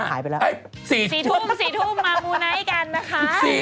๓ทุ่ม๔ทุ่มมามูไนท์กันนะคะ